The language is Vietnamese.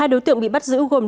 hai đối tượng bị bắt giữ gồm